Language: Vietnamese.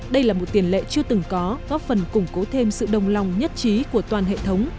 đây là một tiền lệ chưa từng có góp phần củng cố thêm sự đồng lòng nhất trí của toàn hệ thống